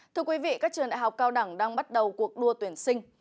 thưa quý vị các trường đại học cao đẳng đang bắt đầu cuộc đua tuyển sinh